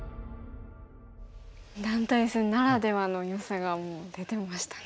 団体戦ならではのよさが出てましたね。